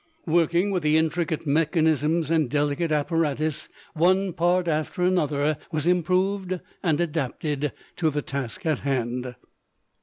Working with the intricate mechanisms and delicate apparatus, one part after another was improved and adapted to the task at hand.